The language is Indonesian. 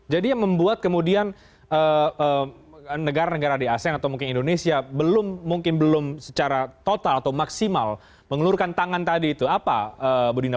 jadi yang membuat kemudian negara negara di asean atau mungkin indonesia belum mungkin belum secara total atau maksimal mengelurkan tangan tadi itu apa budinda